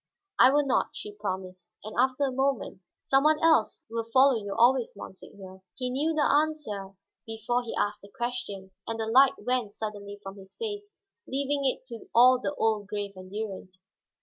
"I will not," she promised. And after a moment, "Some one else will follow you always, monseigneur." He knew the answer before he asked the question, and the light went suddenly from his face, leaving it to all the old grave endurance.